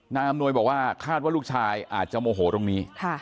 อำนวยบอกว่าคาดว่าลูกชายอาจจะโมโหตรงนี้